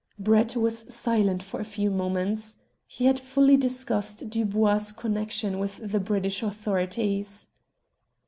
Brett was silent for a few moments. He had fully discussed Dubois' connexion with the British authorities.